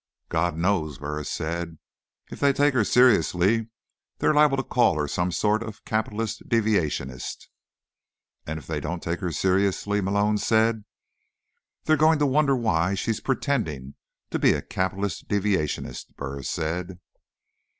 "God knows," Burris said. "If they take her seriously, they're liable to call her some sort of capitalist deviationist." "And if they don't take her seriously?" Malone said. "Then they're going to wonder why she's pretending to be a capitalist deviationist," Burris said.